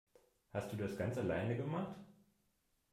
Hast du das ganz alleine gemacht?